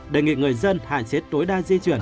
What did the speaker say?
đề nghị người dân hạn chế tối đa di chuyển